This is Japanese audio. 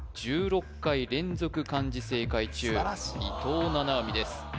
１６回連続漢字正解中伊藤七海です